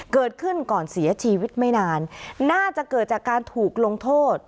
เกิดขึ้นก่อนเสียชีวิตไม่นานน่าจะเกิดจากการถูกลงโทษ